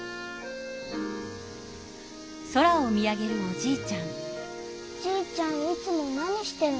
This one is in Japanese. じいちゃんいつも何してるの？